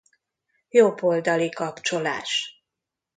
Jobboldali kapcsolás.